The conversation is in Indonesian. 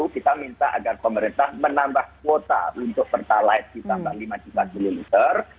kita minta agar pemerintah menambah kuota untuk pertalite ditambah lima juta kiloliter